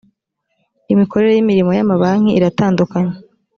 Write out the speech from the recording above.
imikorere y imirimo y amabanki iratandukanye